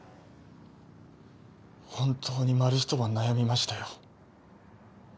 本当に丸一晩悩みましたよ。